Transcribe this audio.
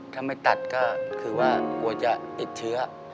ถ้าไม่ตัดก็คือว่ากลัวจะติดเชื้อ